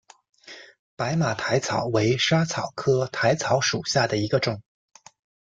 白马薹草为莎草科薹草属下的一个种。